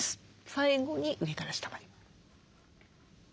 最後に上から下まで。